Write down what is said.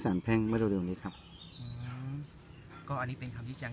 สันแพ่งมาโดยตรงนี้ครับก็อันนี้เป็นคำที่แจ้ง